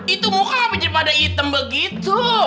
itu muka apa jadi pada hitam begitu